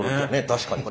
確かに。